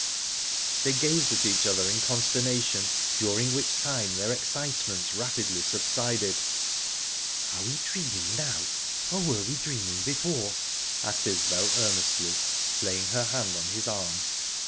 They gazed at each other in consternation, during which time their excitement rapidly subsided. "Are we dreaming now, or were we dreaming before?" asked Isbel earnestly, laying her hand on his arm.